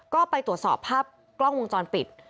ก็ไปตรวจสอบภาพกล้องวงจรปิด